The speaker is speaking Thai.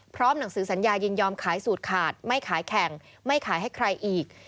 หนังสือสัญญายินยอมขายสูตรขาดไม่ขายแข่งไม่ขายให้ใครอีก